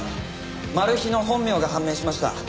マル被の本名が判明しました。